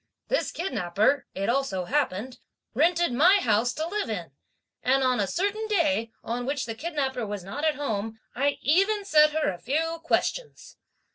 This kidnapper, it also happened, rented my house to live in; and on a certain day, on which the kidnapper was not at home, I even set her a few questions.